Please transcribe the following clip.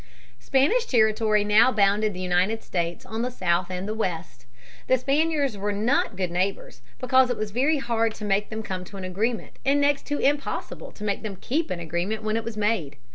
Spanish territory now bounded the United States on the south and the west. The Spaniards were not good neighbors, because it was very hard to make them come to an agreement, and next to impossible to make them keep an agreement when it was made.